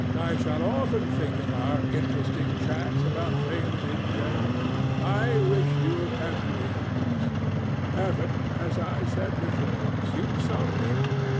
I shall often think of our interesting chats about things in general. I wish you every happiness: Heaven, as I said before, suits some people.